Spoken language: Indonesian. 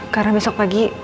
karena besok pagi